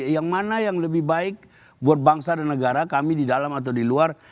yang mana yang lebih baik buat bangsa dan negara kami di dalam atau di luar